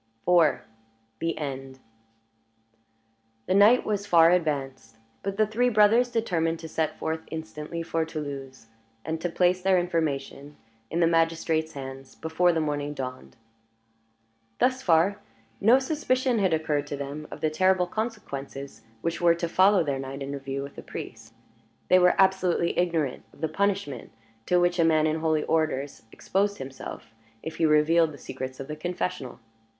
IV. THE END The night was far advanced; but the three brothers determined to set forth instantly for Toulouse, and to place their information in the magistrate's hands before the morning dawned. Thus far no suspicion had occurred to them of the terrible consequences which were to follow their night interview with the priest. They were absolutely ignorant of the punishment to which a man in holy orders exposed himself, if he revealed the secrets of the confessional.